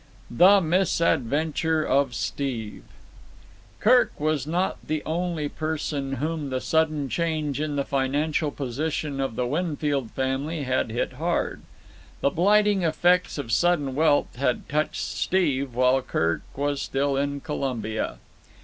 The Misadventure of Steve Kirk was not the only person whom the sudden change in the financial position of the Winfield family had hit hard. The blighting effects of sudden wealth had touched Steve while Kirk was still in Colombia.